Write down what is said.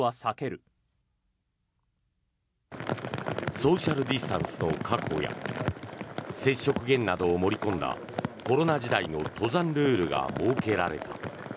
ソーシャル・ディスタンスの確保や接触減などを盛り込んだコロナ時代の登山ルールが設けられた。